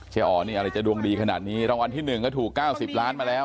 เจ๋อร์นี่อะไรจะดวงดีขนาดนี้รางวัลที่หนึ่งก็ถูกเก้าสิบล้านมาแล้ว